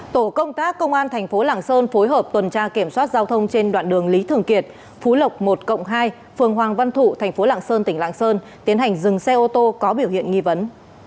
tổ công tác công an thành phố lạng sơn phối hợp tuần tra kiểm soát giao thông trên đoạn đường lý thường kiệt phú lộc một hai phường hoàng văn thụ thành phố lạng sơn tỉnh lạng sơn tiến hành dừng xe ô tô có biểu hiện nghi vấn